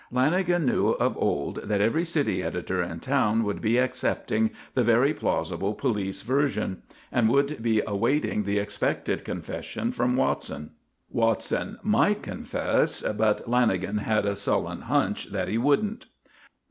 Lanagan knew of old that every city editor in town would be accepting the very plausible police version, and would be awaiting the expected confession from Watson. Watson might confess, but, Lanagan had a sullen "hunch" that he wouldn't.